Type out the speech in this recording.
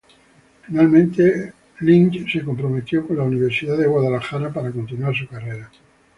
Finalmente, Lynch se comprometió con la Universidad de Memphis para continuar su carrera.